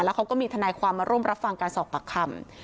เขาก็มีทนายความมาร่วมรับฟังการสอบปากคำ